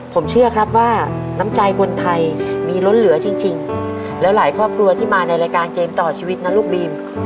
ผมเชื่อครับว่าน้ำใจคนไทยมีล้นเหลือจริงแล้วหลายครอบครัวที่มาในรายการเกมต่อชีวิตนะลูกบีม